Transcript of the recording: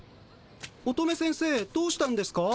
乙女先生どうしたんですか？